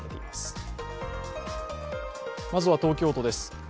まずは東京都です。